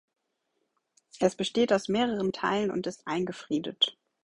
Es besteht aus mehreren Teilen und ist eingefriedet.